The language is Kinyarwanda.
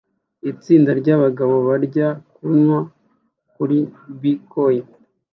Itsinda ryabagabo barya kunywa kuri bkoni